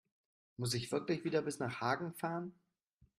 Muss ich wirklich wieder bis nach Hagen fahren?